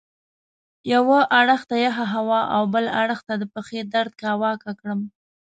یوه اړخ ته یخې هوا او بل اړخ ته د پښې درد کاواکه کړم.